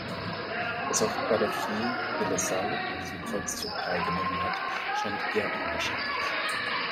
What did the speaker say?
Dass auch Gadifer de La Salle an diesem Kreuzzug teilgenommen hat scheint eher unwahrscheinlich.